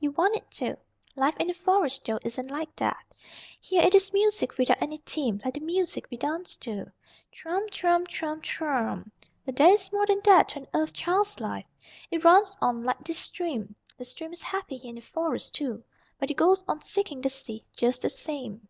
You want it to. Life in the Forest, though, isn't like that. Here it is music without any theme, like the music we dance to. Thrum, thrum, thrum, thrummmmmmmm. But there is more than that to an Earth Child's life. It runs on like this stream. The stream is happy here in the Forest, too, but it goes on seeking the sea just the same."